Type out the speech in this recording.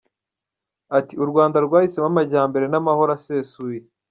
Ati “U Rwanda rwahisemo amajyambere n’amahoro asesuye .